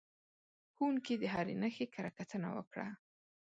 ښوونکي د هرې نښې کره کتنه وکړه.